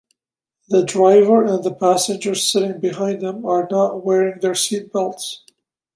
The driver and the passenger sitting behind him are not wearing their seatbelts.